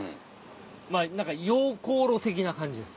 まぁ何か溶鉱炉的な感じです。